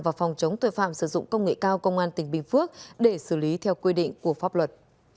và phòng chống tội phạm sử dụng công nghệ cao công an tỉnh bình phước để xử lý theo quy định của pháp luật